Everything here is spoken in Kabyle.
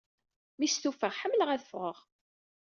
Mi stufaɣ. ḥemmleɣ ad ffɣeɣ.